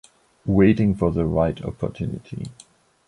Waiting for the right opportunity.